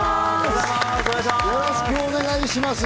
よろしくお願いします。